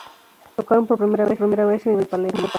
Tocaron por primera vez en el Hipódromo de Palermo.